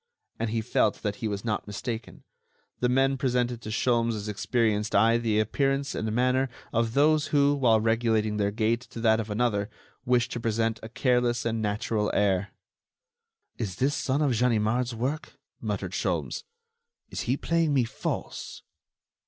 And he felt that he was not mistaken; the men presented to Sholmes' experienced eye the appearance and manner of those who, while regulating their gait to that of another, wish to present a careless and natural air. "Is this some of Ganimard's work?" muttered Sholmes. "Is he playing me false?"